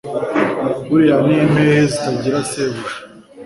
Bariya ni impehe zitagira shebuja